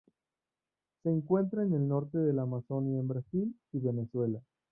Se encuentra en el norte de la Amazonia en Brasil y Venezuela.